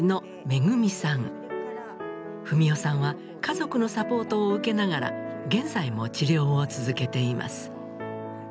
史世さんは家族のサポートを受けながら現在も治療を続けています。